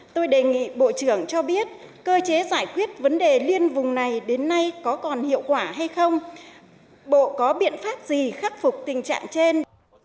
tôi đề nghị bộ trưởng cho biết cơ chế giải quyết vấn đề liên vùng này đến nay có còn hiệu quả hay không bộ có biện pháp gì khắc phục tình trạng trên